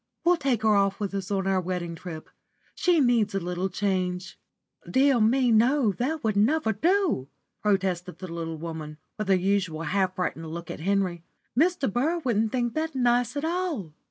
We'll take her off with us on our wedding trip. She needs a little change." "Dear me, no, that will never do," protested the little woman, with her usual half frightened look at Henry. "Mr. Burr wouldn't think that nice at all."